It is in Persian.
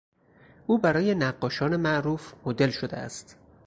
او برای نقاشان معروف مدل شده است.